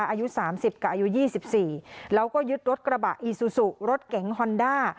อายุสามสิบกับอายุยี่สิบสี่แล้วก็ยึดรถกระบะอีซูซูรถเก๋งฮอนดา